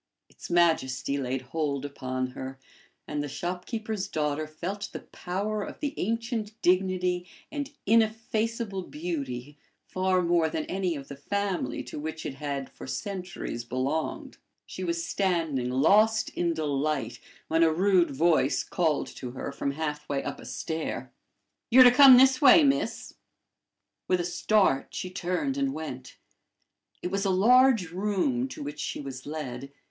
Its majesty laid hold upon her, and the shopkeeper's daughter felt the power of the ancient dignity and ineffaceable beauty far more than any of the family to which it had for centuries belonged. She was standing lost in delight, when a rude voice called to her from half way up a stair: "You're to come this way, miss." With a start, she turned and went. It was a large room to which she was led.